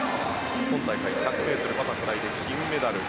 今大会１００ｍバタフライで金メダル。